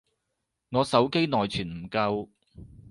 我手機內存唔夠